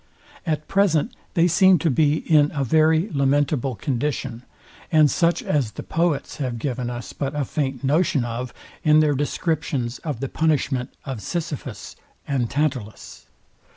At present they seem to be in a very lamentable condition, and such as the poets have given us but a faint notion of in their descriptions of the punishment of Sisyphus and Tantalus.